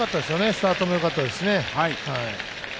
スタートもよかったですね。